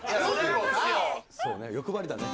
そうね、欲張りだね。